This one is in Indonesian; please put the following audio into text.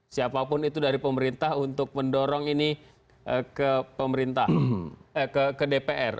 siapapun itu dari pemerintah untuk mendorong ini ke dpr